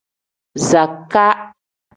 Zakaa.